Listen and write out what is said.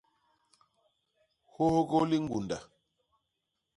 Hôhgô liñgunda.